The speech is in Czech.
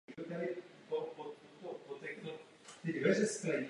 Brzy po okupaci se zapojil do protifašistického odboje.